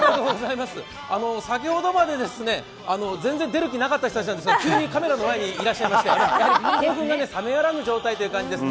先ほどまで全然出る気なかった人たちなんですが、急にカメラの前にいらっしゃいましてやはり興奮冷めやらぬ状態ということです。